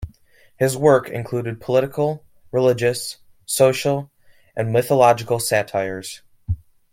His work included political, religious, social, and mythological satires.